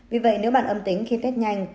vì vậy nếu bạn âm tính khi tết nhanh